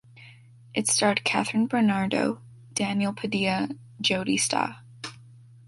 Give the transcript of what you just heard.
It starred Kathryn Bernardo, Daniel Padilla, Jodi Sta.